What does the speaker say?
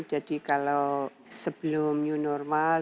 jadi kalau sebelum new normal